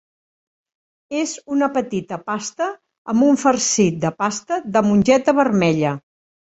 És una petita pasta amb un farcit de pasta de mongeta vermella.